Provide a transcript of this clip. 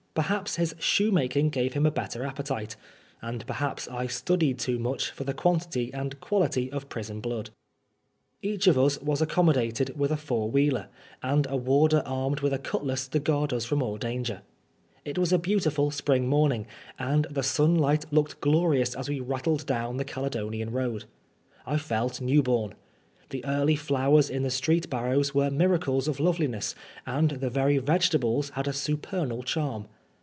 Perhaps his shoemaking gave him a better appetite ; and perhaps I studied too much for the quantity and quality of prison blood. B^h of us was accommodated with a fotd" wheeler, and a warder armed with a cutlass to guard us from all danger. It was a beautiful spring morning, and the sunlight looked glorious as we rattled down the Cfidedonian Road. I felt new bom. The early flowers in the street barrows were miracles of loveliness, and the very vegetables had a supernal charm.